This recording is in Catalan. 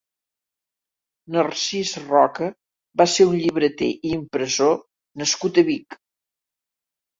Narcís Roca va ser un llibreter i impressor nascut a Vic.